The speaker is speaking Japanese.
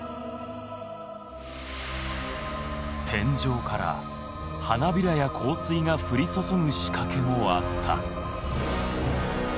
天井から花びらや香水が降り注ぐ仕掛けもあった。